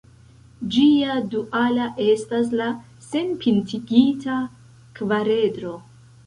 Ĝia duala estas la senpintigita kvaredro.